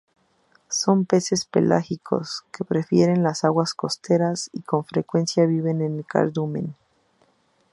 Son peces pelágicos que prefieren las aguas costeras y con frecuencia viven en cardumen.